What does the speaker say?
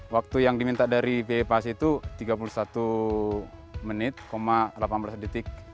waktu yang diminta dari pipa s itu tiga puluh satu menit delapan belas detik